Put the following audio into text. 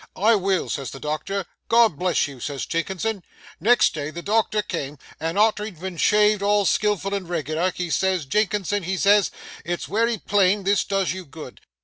"I will," says the doctor. "God bless you," says Jinkinson. Next day the doctor came, and arter he'd been shaved all skilful and reg'lar, he says, "Jinkinson," he says, "it's wery plain this does you good.